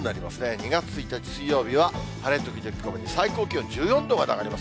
２月１日水曜日は晴れ時々曇り、最高気温１４度まで上がります。